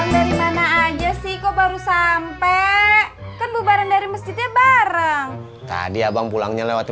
dari mana aja sih kok baru sampai kan bubaran dari masjidnya bareng tadi abang pulangnya lewat